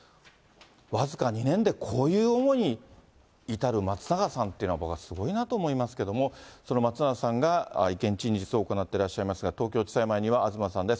僅か２年でこういう思いに至る松永さんというのが僕はすごいなと思いますけれども、その松永さんが意見陳述を行っておりますが、東京地裁前には東さんです。